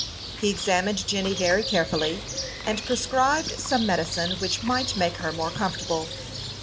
He examined Jenny very carefully, and prescribed some medicine which might make her more comfortable.